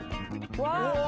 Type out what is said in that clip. うわ！